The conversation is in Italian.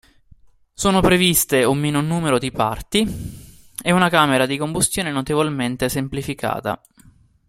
Sono previste un minor numero di parti e una camera di combustione notevolmente semplificata.